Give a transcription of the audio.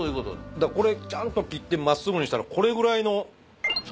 だからこれちゃんと切って真っすぐにしたらこれぐらいの。